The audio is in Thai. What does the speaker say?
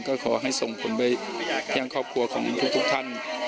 ก็ขอให้ส่งผลไปยังครอบครัวของทุกท่าน